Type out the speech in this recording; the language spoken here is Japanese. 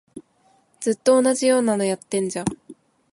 ずっと同じようなのやってんじゃん